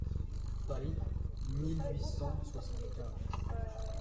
(Paris, mille huit cent soixante-quinze.